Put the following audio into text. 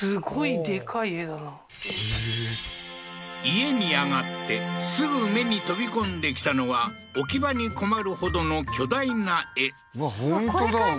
家に上がってすぐ目に飛び込んできたのは置き場に困るほどの巨大な絵うわ